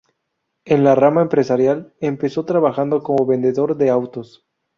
En la rama empresarial, empezó trabajando como vendedor de autos.